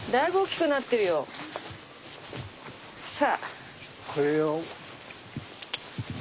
さあ！